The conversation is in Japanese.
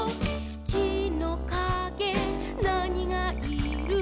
「きのかげなにがいる？」